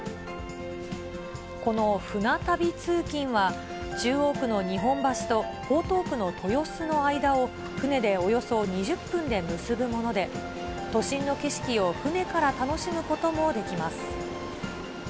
この舟旅通勤は中央区の日本橋と江東区の豊洲の間を船でおよそ２０分で結ぶもので、都心の景色を船から楽しむこともできます。